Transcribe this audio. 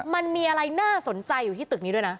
มันมีอะไรน่าสนใจอยู่ที่ตึกนี้ด้วยนะ